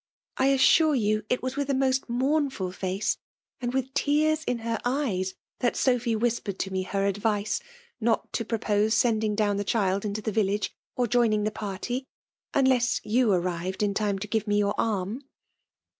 "'I assuiiie yon it wasmth a most mournful face^ and with tears in her eyes, tlifti Sopby wUspeied io me her advice not t^ pfopose sending down the child into the vil lage, or joining the party, unless yon arrived intlnne.'to give me your arm.